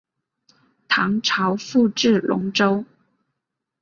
唐朝复置龙州。